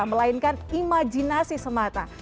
melainkan imajinasi semata